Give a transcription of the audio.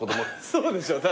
そうでしょ？